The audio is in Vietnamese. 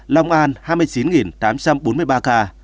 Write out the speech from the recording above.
long an hai mươi chín tám trăm bốn mươi ba ca